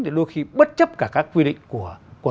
thì đôi khi bất chấp cả các quy định của